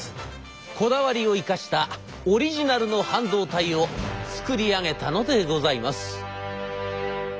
こだわりを生かしたオリジナルの半導体を作り上げたのでございます。